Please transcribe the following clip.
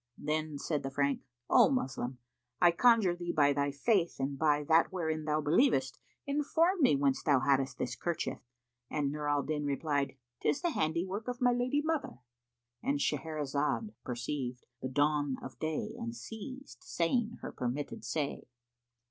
Then said the Frank, "O Moslem, I conjure thee by thy faith and by that wherein thou believest, inform me whence thou haddest this kerchief;" and Nur al Din replied, "Tis the handiwork of my lady mother,"—And Shahrazad perceived the dawn of day and ceased saying her permitted say.